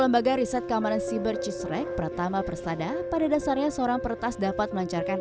lembaga riset keamanan cybercisrek pertama persadar pada dasarnya seorang pertas dapat melancarkan